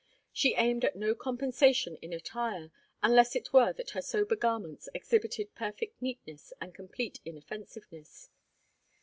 She aimed at no compensation in attire, unless it were that her sober garments exhibited perfect neatness and complete inoffensiveness.